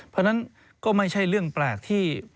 เพราะฉะนั้นก็ไม่ใช่เรื่องแปลกที่